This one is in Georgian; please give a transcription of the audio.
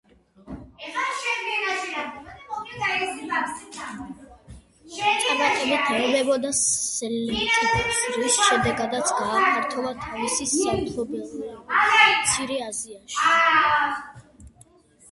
წარმატებით ეომებოდა სელევკიდებს, რის შედეგადაც გააფართოვა თავისი სამფლობელოები მცირე აზიაში.